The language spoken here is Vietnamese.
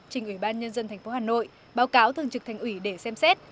trình ủy ban nhân dân thành phố hà nội báo cáo thường trực thành ủy để xem xét